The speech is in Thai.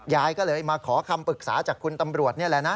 ยายก็เลยมาขอคำปรึกษาจากคุณตำรวจนี่แหละนะ